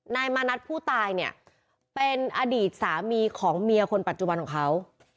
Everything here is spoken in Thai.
นายมานัดผู้ตายเนี่ยเป็นอดีตสามีของเมียคนปัจจุบันของเขา